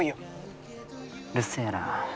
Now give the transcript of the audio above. うるせえな。